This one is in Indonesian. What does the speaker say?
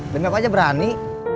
demi apa aja berani